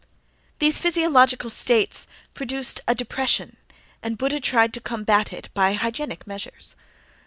These physiological states produced a depression, and Buddha tried to combat it by hygienic measures.